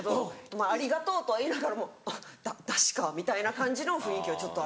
まぁ「ありがとう」とは言いながらも「ダダシか」みたいな感じの雰囲気はちょっとありました。